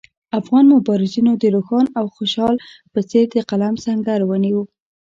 افغان مبارزینو د روښان او خوشحال په څېر د قلم سنګر ونیو.